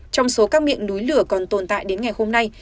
trong số các miệng núi lửa còn tồn tại đến ngày hôm nay